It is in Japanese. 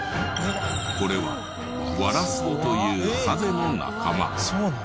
これはワラスボというハゼの仲間。